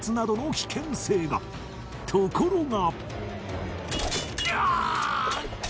ところが